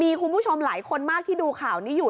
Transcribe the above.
มีคุณผู้ชมหลายคนมากที่ดูข่าวนี้อยู่